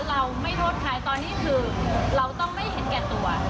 เราไม่โทษใครตอนนี้คือเราต้องไม่เห็นแก่ตัว